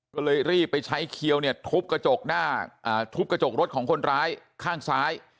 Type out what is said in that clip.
ก็เลยรีบไปใช้เขียวเนี่ยทุบกระจกรถของคนร้ายข้างซ้าย